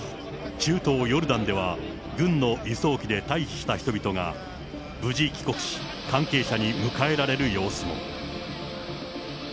中東ヨルダンでは軍の輸送機で退避した人々が無事帰国し、関係者に迎えられる様子も。